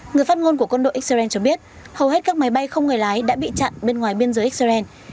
người phát ngôn của quân đội israel cho biết hầu hết các máy bay không người lái đã bị chặn bên ngoài biên giới israel